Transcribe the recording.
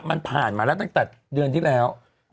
มันผ่านมาแล้วตั้งแต่เดือนที่แล้ว